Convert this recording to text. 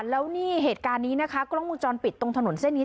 แล้วนี่เหตุการณ์นี้นะคะกล้องมุมจรปิดตรงถนนเส้นนี้